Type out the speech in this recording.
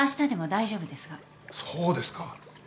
そうですか。